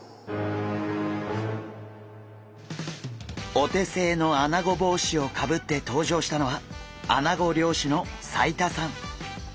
お手製のアナゴ帽子をかぶって登場したのはアナゴ漁師の齋田さん。